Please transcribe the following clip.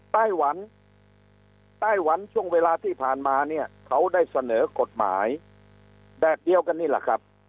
ไต้หวันไต้หวันช่วงเวลาที่ผ่านมาเนี่ยเขาได้เสนอกฎหมายแบบเดียวกันนี่แหละครับ